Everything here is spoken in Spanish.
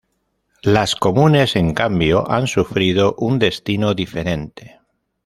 Las comunes en cambio han sufrido un destino diferente.